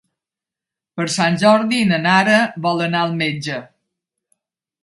Per Sant Jordi na Nara vol anar al metge.